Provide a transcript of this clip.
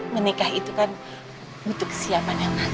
menikah itu kan butuh kesiapan yang mantap mas